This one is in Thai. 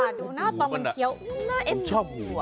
ดูหน้าตอนมันเคี้ยวอุ่น่าเอ็นดุ